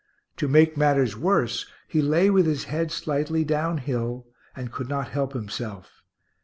To make matters worse, he lay with his head slightly down hill, and could not help himself.